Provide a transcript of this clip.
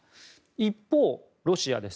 一方、ロシアです。